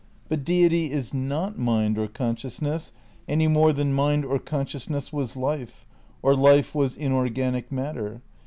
But Deity is not mind or consciousness any more than mind or consciousness was life or life was inorganic mat ter.